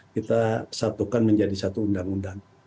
kita satukan menjadi satu undang undang